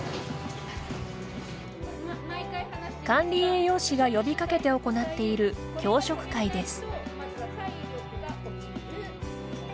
管理栄養士が呼びかけて行っている共食会です。